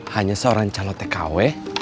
hanya seorang calote kw